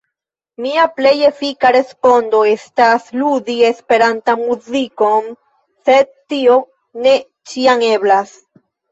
Mia plej efika respondo estas ludi Esperantan muzikon, sed tio ne ĉiam eblas.